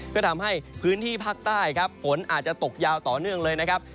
ก็ทำให้พื้นที่ภาคใต้ครับฝนอาจจะตกยาวต่อเนื่องเลยนะครับ